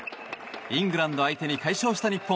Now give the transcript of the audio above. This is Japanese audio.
イングランド相手に快勝した日本。